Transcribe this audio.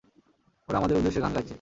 ওরা আমাদের উদ্দেশ্যে গান গাইছে!